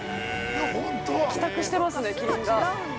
帰宅してますね、キリンが。